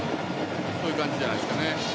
そういう感じじゃないですかね。